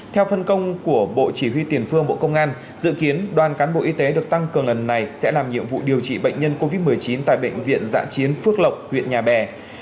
theo phân công của bộ chỉ huy tiền phương bộ công an dự kiến đoàn cán bộ y tế được tăng cường lần này sẽ làm nhiệm vụ điều trị bệnh nhân covid một mươi chín tại bệnh viện giã chiến phước lộc huyện nhà bè